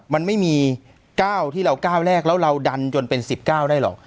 มันไม่มี๙ที่เราก้าวแรกแล้วเราดันจนเป็น๑๙ได้หรอก